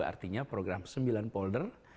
artinya program sembilan polder